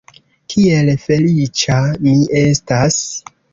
Kiel feliĉa mi estas!